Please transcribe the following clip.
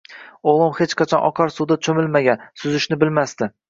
O`g`lim hech qachon oqar suvda cho`milmagan, suzishni bilmasdi